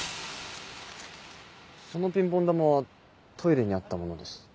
そのピンポン球はトイレにあったものです。